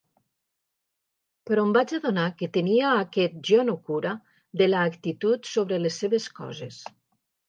Però em vaig adonar que tenia aquest jo-no-cura de l'actitud sobre les seves coses.